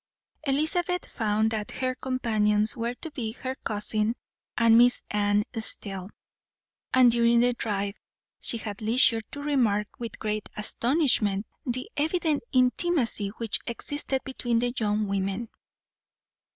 Elizabeth found that her companions were to be her cousin and Miss Anne Steele; and during the drive she had leisure to remark, with great astonishment, the evident intimacy which existed between the young women.